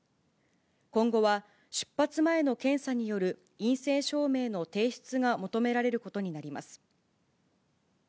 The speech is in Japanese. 今後は、出発前の検査による陰性証明の提出が求められることになります。